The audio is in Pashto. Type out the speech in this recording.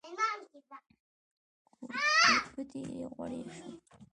ګوتې يې غوړې شوې.